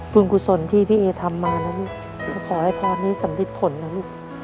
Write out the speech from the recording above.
บุญกุศลที่พี่เอทำมานั้นลูกขอให้พรนี้สำริดผลนะลูก